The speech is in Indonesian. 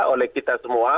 oleh kita semua